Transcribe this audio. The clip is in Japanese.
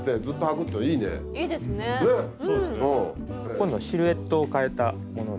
今度シルエットを変えたもので。